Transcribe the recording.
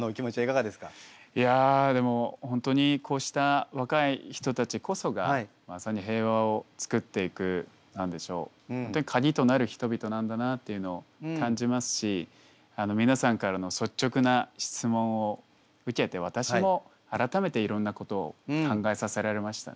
いやでも本当にこうした若い人たちこそがまさに平和を作っていく鍵となる人々なんだなっていうのを感じますし皆さんからの率直な質問を受けて私も改めていろんなことを考えさせられましたね。